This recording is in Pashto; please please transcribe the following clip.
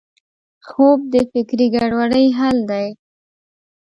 خوب د فکري ګډوډۍ حل دی